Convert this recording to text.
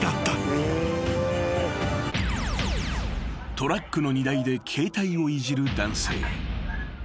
［トラックの荷台で携帯をいじる男性］